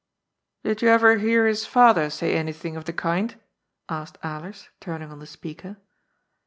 " Did you ever hear his father say anything of the kind ?" asked Alers, turning on the speaker.